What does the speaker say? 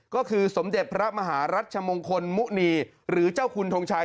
ก็คือสมเด็จพระมหารัชมงคลมุณีหรือเจ้าคุณทงชัย